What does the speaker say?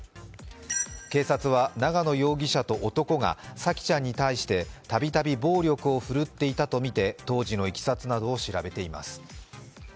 警察は長野容疑者と男が沙季ちゃんに対してたびたび暴力をふるっていたとみて当時のいきさつなどを調べています。